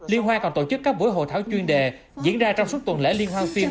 liên hoan còn tổ chức các buổi hội thảo chuyên đề diễn ra trong suốt tuần lễ liên hoan phim